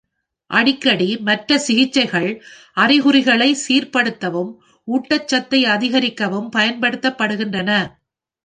அடிக்கடி, மற்ற சிகிச்சைகள் அறிகுறிகளை சீர்ப்படுத்தவும், ஊட்டச்சத்தை அதிகரிக்கவும் பயன்படுத்தப்படுகின்றன.